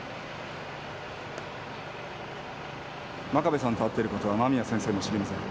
真壁さんと会っていることは間宮先生も知りません。